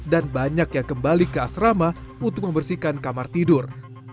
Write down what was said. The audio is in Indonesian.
dan banyak yang kembali ke asrama untuk membersihkan kamar tidur